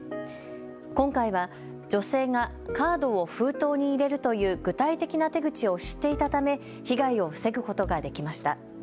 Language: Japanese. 今回は女性がカードを封筒に入れるという具体的な手口を知っていたため被害を防ぐことができました。